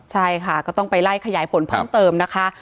ใช่ค่ะก็ต้องไปไล่ขยายผลเพิ่มเติมนะคะ